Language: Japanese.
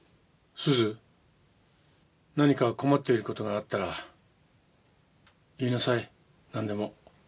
すず、何か困っていることがあったら、言いなさい、なんでも。